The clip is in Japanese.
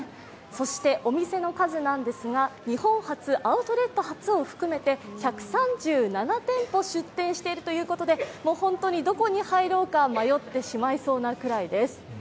そしてお店の数ですが、日本初アウトレット初を含めて１３７店舗出店しているということで本当にどこに入ろうか迷ってしまうくらいです。